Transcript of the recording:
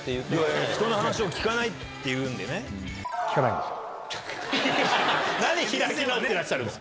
人の話を聞かないっていうん聞かないんですよ。